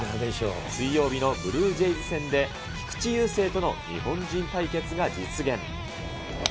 水曜日のブルージェイズ戦で、菊池雄星との日本人対決が実現。